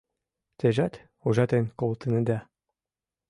Тежат ужатен колтынеда.